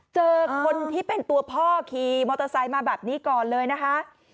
เจอคนที่เป็นตัวพ่อขี่มอเตอร์ไซค์มาแบบนี้ก่อนเลยนะคะ